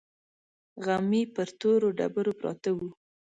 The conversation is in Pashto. غمي پر تورو ډبرو پراته وو.